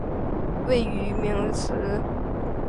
并于宗座慈幼大学取得大众传播心理学学士学位。